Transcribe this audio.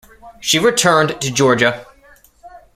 She returned to Georgia.